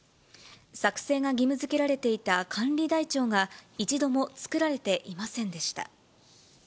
作成が義務づけられていた管理台帳が一度も作られていませんでした。